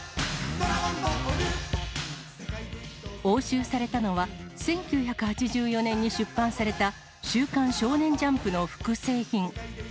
押収されたのは、１９８４年に出版された週刊少年ジャンプの複製品。